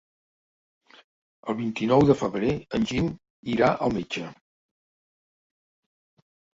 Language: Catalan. El vint-i-nou de febrer en Gil irà al metge.